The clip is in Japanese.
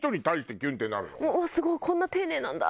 すごい！こんな丁寧なんだ！